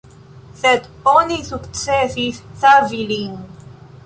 Sed oni sukcesis savi lin.